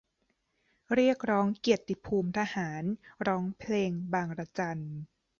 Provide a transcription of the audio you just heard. เรียกร้องเกียรติภูมิทหาร ร้องเพลงบางระจัน